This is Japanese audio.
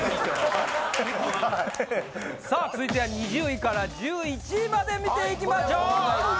さあ続いては２０位から１１位まで見ていきましょう！